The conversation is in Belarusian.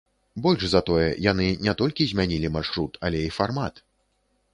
Больш за тое, яны не толькі змянілі маршрут, але і фармат.